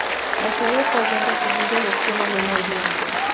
La serie fue bien recibida y obtuvo buena audiencia.